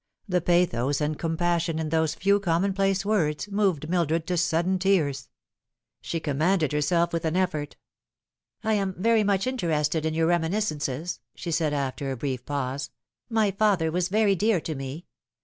The pathos and com passion in those few commonplace words moved Mildred to sudden tears. She commanded herself with an effort. " I am much interested in your reminiscences," she said, after a brief pause. " My father was very dear to me.